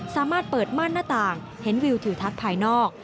สามารถเปิดม่านหน้าต่างเห็นวิวทิวทัศน์ภายนอก